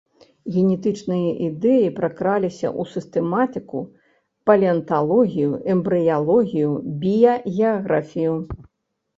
Генетычныя ідэі пракраліся ў сістэматыку, палеанталогію, эмбрыялогію, біягеаграфію.